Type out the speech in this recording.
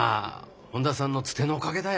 本田さんのツテのおかげだよ。